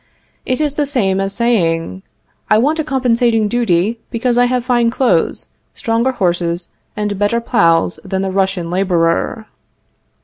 It is the same as saying: I want a compensating duty, because I have fine clothes, stronger horses and better plows than the Russian laborer.